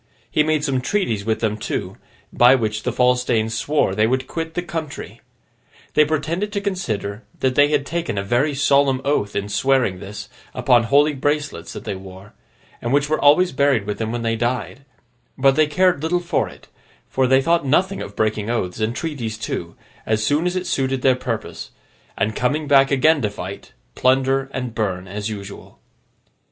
He made some treaties with them too, by which the false Danes swore they would quit the country. They pretended to consider that they had taken a very solemn oath, in swearing this upon the holy bracelets that they wore, and which were always buried with them when they died; but they cared little for it, for they thought nothing of breaking oaths and treaties too, as soon as it suited their purpose, and coming back again to fight, plunder, and burn, as usual.